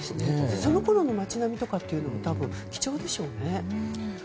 そのころの街並みとかも貴重でしょうね。